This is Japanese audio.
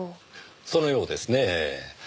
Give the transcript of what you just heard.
そのようですねぇ。